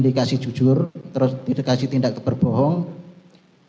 terindikasi jujur terus tidak kasih tindak keberbohongan